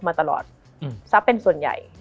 มันทำให้ชีวิตผู้มันไปไม่รอด